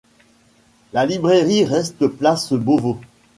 La librairie reste place Beauvau.